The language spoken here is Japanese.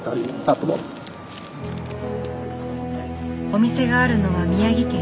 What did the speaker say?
お店があるのは宮城県。